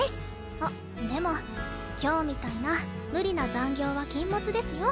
あっでも今日みたいな無理な残業は禁物ですよ。